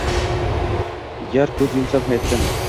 Gar ko‘z yumsam hayotdan